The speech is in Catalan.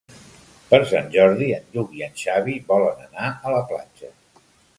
Per Sant Jordi en Lluc i en Xavi volen anar a la platja.